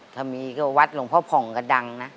ถ้ามีก็วัดหลวงพ่อผ่องก็ดังนะ